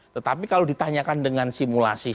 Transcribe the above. tetapi kalau ditanyakan dengan simulasi